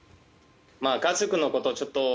家族のことちょっと。